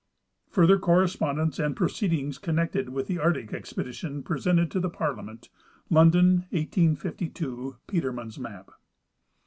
Further Correspondence and Proceedings Connected with the Arctic Expedition, presented to Parliament, London, 1852 (Peterman's map).